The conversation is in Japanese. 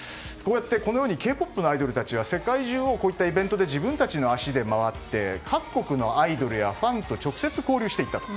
このようにＫ‐ＰＯＰのアイドルたちが世界中を、こういったイベントで自分たちの足で回って各国のアイドルやファンと直接交流していったと。